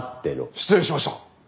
失礼しました。